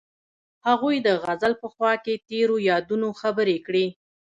هغوی د غزل په خوا کې تیرو یادونو خبرې کړې.